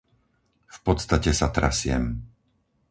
V podstate sa trasiem.